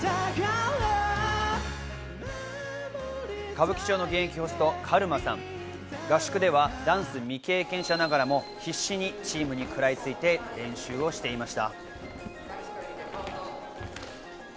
歌舞伎町の現役ホスト、カルマさんが合宿ではダンス未経験者ながらも必死にチームにくらいついて練習をしていました。